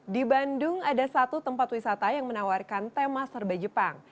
di bandung ada satu tempat wisata yang menawarkan tema serba jepang